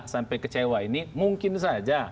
sampai kecewa ini mungkin saja